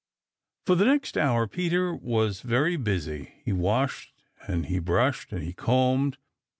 For the next hour Peter was very busy. He washed and he brushed and he combed.